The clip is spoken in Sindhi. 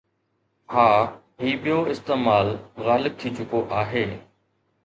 ها، هي ٻيو استعمال غالب ٿي چڪو آهي